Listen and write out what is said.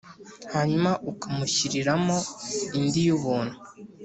hanyuma akamushyiriramo indi y'ubuntu.